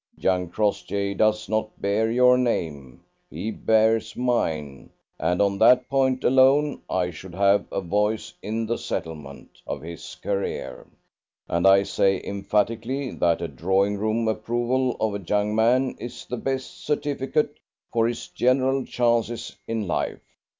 Young Crossjay does not bear your name. He bears mine, and on that point alone I should have a voice in the settlement of his career. And I say emphatically that a drawing room approval of a young man is the best certificate for his general chances in life.